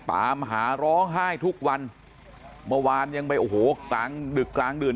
ตามหาร้องไห้ทุกวันเมื่อวานยังไปโอ้โหกลางดึกกลางดื่น